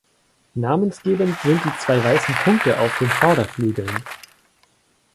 Namensgebend sind die zwei weißen Punkte auf den Vorderflügeln.